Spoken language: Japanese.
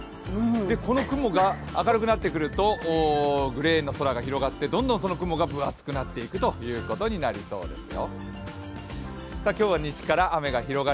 この雲が明るくなってくるとグレーの空が広がってどんどんその雲が分厚くなっていくことになりそうですよ。